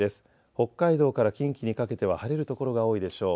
北海道から近畿にかけては晴れる所が多いでしょう。